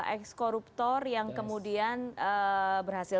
ekskoruptor yang kemudian berhasil